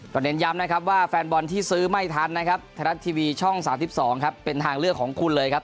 เน้นย้ำนะครับว่าแฟนบอลที่ซื้อไม่ทันนะครับไทยรัฐทีวีช่อง๓๒ครับเป็นทางเลือกของคุณเลยครับ